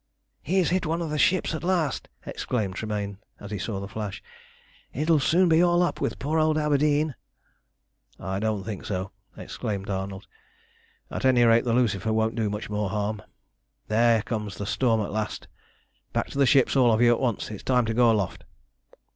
"He's hit one of the ships at last!" exclaimed Tremayne, as he saw the flash. "It'll soon be all up with poor old Aberdeen." "I don't think so," exclaimed Arnold. "At any rate the Lucifer won't do much more harm. There comes the storm at last! Back to the ships all of you at once, it's time to go aloft!"